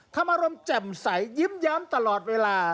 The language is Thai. ทำอารมณ์แจ่มใสยิ้มแย้มตลอดเวลา